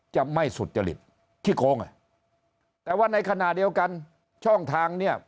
จะไม่สุจริตขี้โค้งแต่ว่าในขณะเดียวกันช่องทางเนี่ย